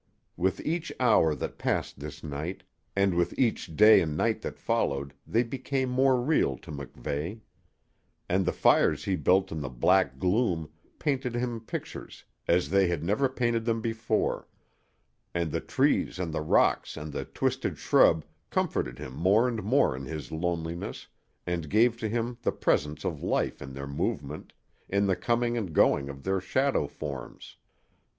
With each hour that passed this night, and with each day and night that followed, they became more real to MacVeigh; and the fires he built in the black gloom painted him pictures as they had never painted them before; and the trees and the rocks and the twisted shrub comforted him more and more in his loneliness, and gave to him the presence of life in their movement, in the coming and going of their shadow forms.